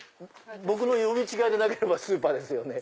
僕の読み違いでなければスーパーですよね。